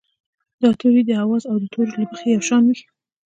دا توري د آواز او تورو له مخې یو شان وي.